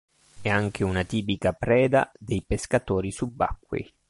È anche una tipica preda dei pescatori subacquei.